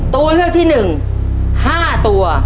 ตู้เลือกที่๑ห้าตัว